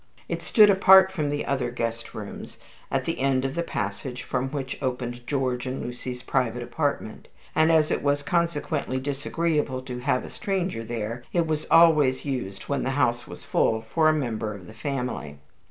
It stood apart from the other guest rooms, at the end of the passage from which opened George and Lucy's private apartment; and as it was consequently disagreeable to have a stranger there, it was always used when the house was full for a member of the family.